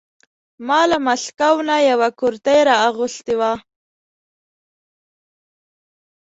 ما له مسکو نه یوه کرتۍ را اغوستې وه.